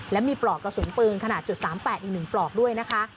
และมีปลอกกระสุนปืนขนาด๓๘อีก๑ปลอกด้วยนะคะ